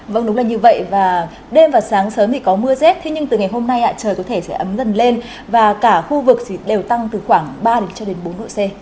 vâng đúng là như vậy và đêm và sáng sớm thì có mưa rét thế nhưng từ ngày hôm nay ạ trời có thể sẽ ấm dần lên và cả khu vực đều tăng từ khoảng ba bốn độ c